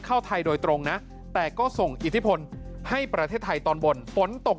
เข้าไทยโดยตรงนะแต่ก็ส่งอิทธิพลให้ประเทศไทยตอนบนฝนตก